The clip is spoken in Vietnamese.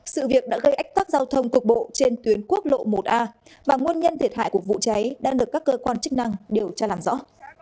sự việc đã gây ách tắc giao thông cục bộ trên tuyến quốc lộ một a và nguồn nhân thiệt hại của vụ cháy đang được các cơ quan chức năng điều tra làm rõ